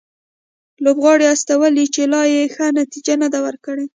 لوبغاړي استولي چې لا یې ښه نتیجه نه ده ورکړې